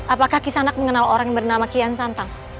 apakah kisanak mengenal orang yang bernama kian santang